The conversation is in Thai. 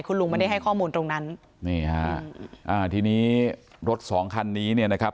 คุณลุงไม่ได้ให้ข้อมูลตรงนั้นนี่ฮะอ่าทีนี้รถสองคันนี้เนี่ยนะครับ